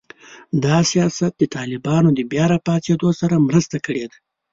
دا سیاست د طالبانو د بیا راپاڅېدو سره مرسته کړې ده